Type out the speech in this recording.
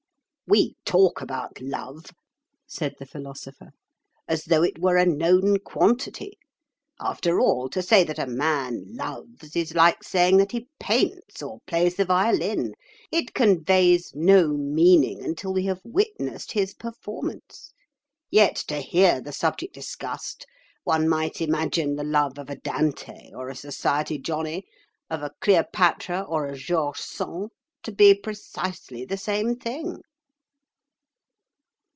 "We talk about love," said the Philosopher, "as though it were a known quantity. After all, to say that a man loves is like saying that he paints or plays the violin; it conveys no meaning until we have witnessed his performance. Yet to hear the subject discussed, one might imagine the love of a Dante or a society Johnny, of a Cleopatra or a Georges Sand, to be precisely the same thing."